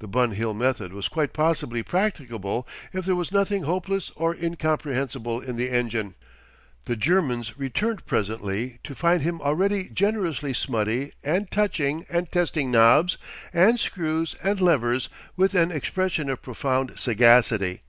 The Bun Hill method was quite possibly practicable if there was nothing hopeless or incomprehensible in the engine. The Germans returned presently to find him already generously smutty and touching and testing knobs and screws and levers with an expression of profound sagacity.